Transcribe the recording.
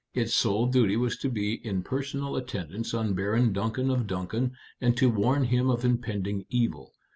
Its sole duty was to be in personal attendance on Baron Duncan of Duncan, and to warn him of impending evil.